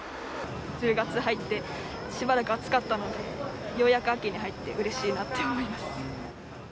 １０月入って、しばらく暑かったので、ようやく秋に入ってうれしいなって思います。